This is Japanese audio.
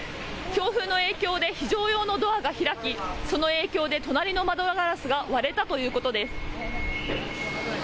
強風の影響で非常用のドアが開きその影響で隣の窓ガラスが割れたということです。